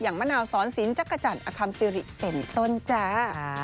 อย่างมะนาวซ้อนศิลป์จักรจันทร์อธรรมสิริเป็นต้นจ้า